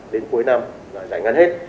đến cuối năm giải ngân hết